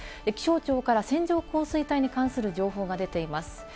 気象庁から線状降水帯に関する情報が出ています。